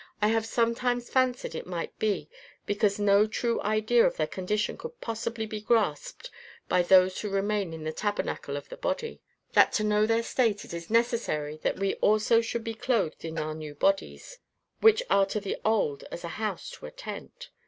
"I have sometimes fancied it might be because no true idea of their condition could possibly be grasped by those who remain in the tabernacle of the body; that to know their state it is necessary that we also should be clothed in our new bodies, which are to the old as a house to a tent.